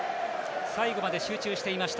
最後まで集中していました